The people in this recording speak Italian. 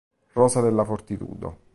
Rosa della Fortitudo